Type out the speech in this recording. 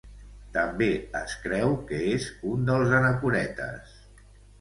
També es creu que és un dels anacoretes.